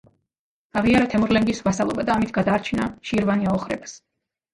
აღიარა თემურლენგის ვასალობა და ამით გადაარჩინა შირვანი აოხრებას.